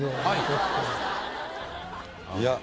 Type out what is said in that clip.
はい。